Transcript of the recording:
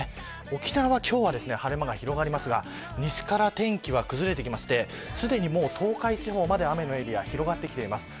沖縄は今日は晴れ間が広がりますが西から天気は崩れてきましてすでに東海地方まで雨のエリア広がってきています。